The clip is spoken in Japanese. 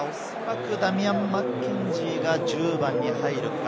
おそらく、ダミアン・マッケンジーが１０番に入るか？